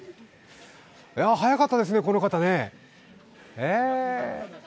速かったですね、この方ね。